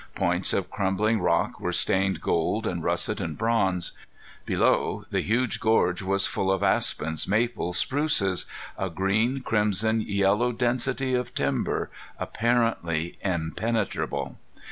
Points of crumbling rock were stained gold and russet and bronze. Below the huge gorge was full of aspens, maples, spruces a green, crimson, yellow density of timber, apparently impenetrable.